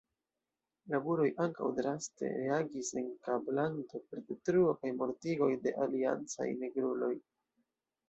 La buroj ankaŭ draste reagis en Kablando per detruoj kaj mortigoj de aliancaj nigruloj.